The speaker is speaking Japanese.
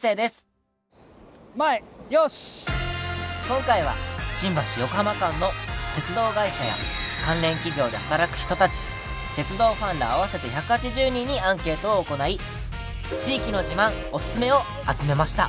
今回は新橋・横浜間の鉄道会社や関連企業で働く人たち鉄道ファンら合わせて１８０人にアンケートを行い地域の自慢おすすめを集めました。